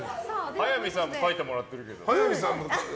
早見さんも書いてもらってるけど。